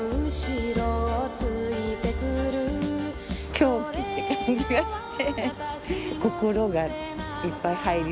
狂気って感じがして。